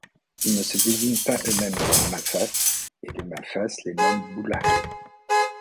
Ils ne se désignent pas eux-mêmes comme Mafas et les Mafas les nomment Boulahay.